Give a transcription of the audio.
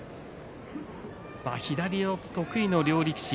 左四つ得意の両力士。